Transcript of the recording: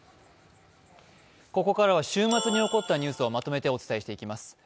ここからは週末に起こったニュースをまとめてお伝えします。